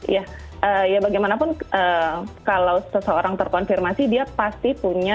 ya ya bagaimanapun kalau seseorang terkonfirmasi dia pasti punya